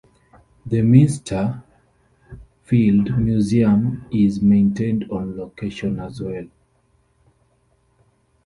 The Minter Field Museum is maintained on location as well.